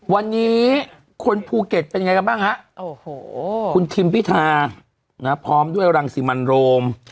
วันนี้คนภูเก็ตเป็นยังไงกันบ้างฮะโอ้โหคุณทิมพิธาพร้อมด้วยรังสิมันโรม